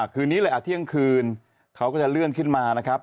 คืนนี้เลยเที่ยงคืนเขาก็จะเลื่อนขึ้นมานะครับ